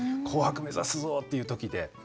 「紅白」目指すぞっていう時で。